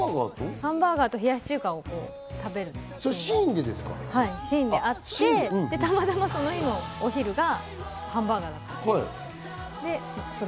ハンバーガーと冷やし中華を食べるっていうシーンがあって、たまたま、その日のお昼がハンバーガーだったんですよ。